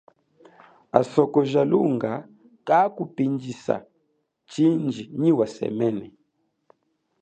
Asoko ja lunga kakupindjisa nyi wa semene.